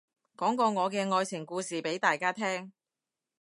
講個我嘅愛情故事俾大家聽